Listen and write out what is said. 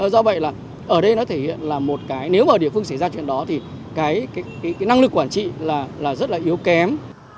do vậy là ở đây nó thể hiện là một cái nếu mà địa phương xảy ra chuyện đó thì cái năng lực quản trị là rất là yếu kém